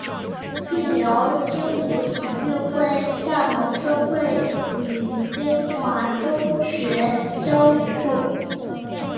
并在精武体育会厦门分会与英华中学教武术。